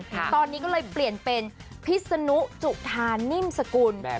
ตอนนี้ก็เลยเปลี่ยนเป็นพิษนุจุธานิ่มสกุล